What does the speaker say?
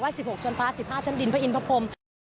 ไหว้สิบหกชนภาคสิบห้าชั้นดินพระอินทร์พระพรม